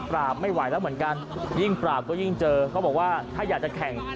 ไม่ไหวแล้วเหมือนกันยิ่งปราบก็ยิ่งเจอเขาบอกว่าถ้าอยากจะแข่ง